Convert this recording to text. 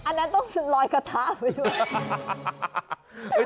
อันนั้นต้องลอยกระทะไปด้วย